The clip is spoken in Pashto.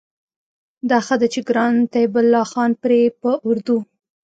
دا ښه ده چې ګران طيب الله خان پرې په اردو